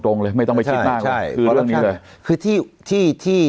ตรงเลยไม่ต้องไปชิดมากว่าคือเรื่องนี้เลย